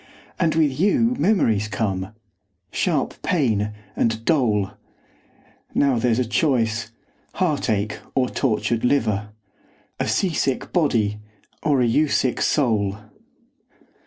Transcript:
And with you memories come, sharp pain, and dole. Now there's a choice heartache or tortured liver! A sea sick body, or a you sick soul!